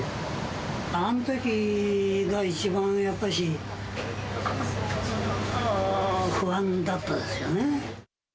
あのときが一番やっぱし、不安だったですよね。